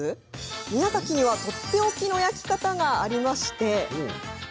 宮崎には、とっておきの焼き方がありまして。